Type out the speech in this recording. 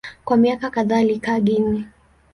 Kwa miaka kadhaa alikaa Guinea.